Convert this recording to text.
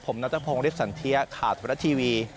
ผมนัทพงศ์ลิฟสันเทียข่าวสุรรัตน์ทีวี